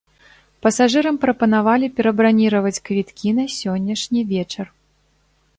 Пасажырам прапанавалі перабраніраваць квіткі на сённяшні вечар.